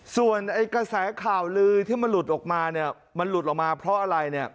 ส่วนไอ้กระแสข่าวลือที่มันหลุดออกมามันหลุดออกมาเพราะอะไร